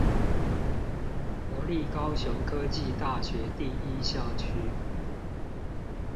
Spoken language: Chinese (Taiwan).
國立高雄科技大學第一校區